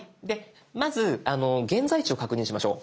まず現在地を確認しましょう。